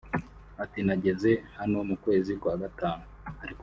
Ati “ Nageze hano mu kwezi kwa gatanu